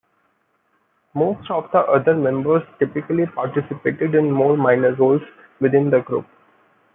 Most of the other members typically participated in more minor roles within the group.